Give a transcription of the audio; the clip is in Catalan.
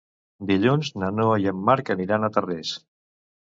Dilluns na Noa i en Marc aniran a Tarrés.